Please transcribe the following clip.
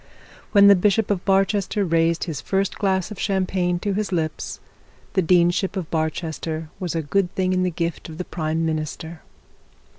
When the bishop of Barchester raised his first glass of champagne to his lips, the deanship of Barchester was a good thing in the gift of the prime minister.